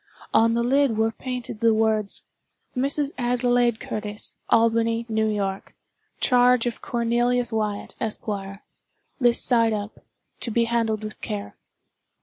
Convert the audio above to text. On the lid were painted the words—"Mrs. Adelaide Curtis, Albany, New York. Charge of Cornelius Wyatt, Esq. This side up. To be handled with care."